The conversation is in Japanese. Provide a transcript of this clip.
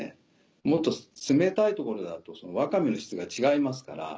もっと冷たい所だとワカメの質が違いますから。